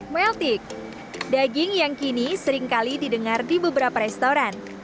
meltik daging yang kini seringkali didengar di beberapa restoran